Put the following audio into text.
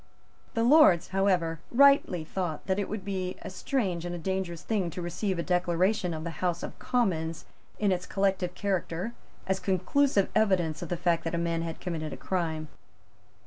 The Lords, however, rightly thought that it would be a strange and a dangerous thing to receive a declaration of the House of Commons in its collective character as conclusive evidence of the fact that a man had committed a crime.